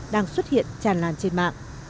đang xuất hiện tràn làn trên mạng